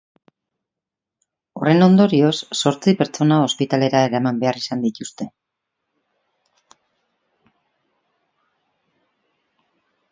Horren ondorioz, zortzi pertsona ospitalera eraman behar izan dituzte.